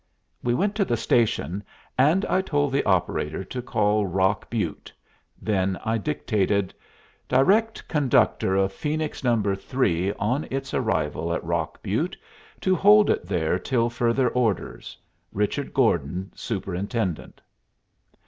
We went to the station, and I told the operator to call Rock Butte; then I dictated: "Direct conductor of Phoenix No. 3 on its arrival at Rock Butte to hold it there till further orders. RICHARD GORDON, Superintendent."